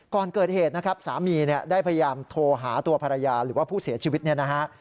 ก่อนเกิดเหตุนะครับสามีเนี่ยได้พยายามโทรหาตัวภรรยาหรือว่าผู้เสียชีวิตเนี่ยนะฮะ